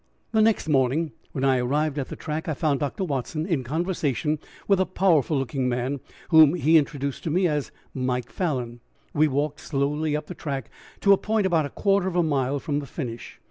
The next morning when I arrived at the track I found Dr. Watson in conversation with a powerful looking man whom he introduced to me as Mike Falan. We walked slowly up the track to a point about a quarter of a mile from the finish.